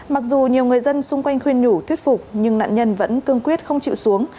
mặc dù nhiều người dân xung quanh khuyên nhủ thuyết phục nhưng nạn nhân vẫn cương quyết không chịu xuống